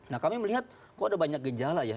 nah kami melihat kok ada banyak gejala ya